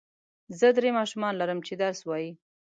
زه درې ماشومان لرم چې درس وايي.